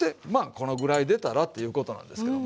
このぐらい出たらっていうことなんですけどもね。